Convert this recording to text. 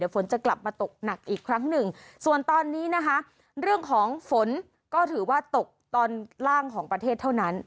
ฝนจะกลับมาตกหนักอีกครั้งหนึ่งส่วนตอนนี้นะคะเรื่องของฝนก็ถือว่าตกตอนล่างของประเทศเท่านั้น